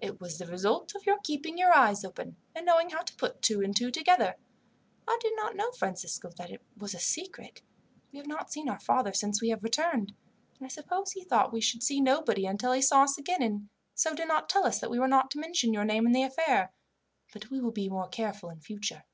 "It was the result of your keeping your eyes open and knowing how to put two and two together. I did not know, Francisco, that it was a secret. We have not seen our father since we have returned, and I suppose he thought we should see nobody until he saw us again, and so did not tell us that we were not to mention your name in the affair; but we will be careful in future."